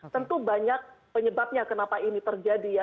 tentu banyak penyebabnya kenapa ini terjadi ya